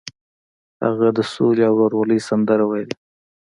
هغه د سولې او ورورولۍ سندره ویله.